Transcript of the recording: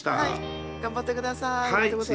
頑張って下さい。